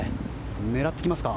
狙ってきますか？